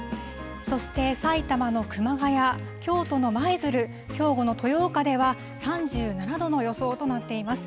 そして埼玉の熊谷、京都の舞鶴、兵庫の豊岡では、３７度の予想となっています。